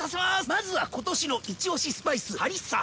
まずは今年のイチオシスパイスハリッサ！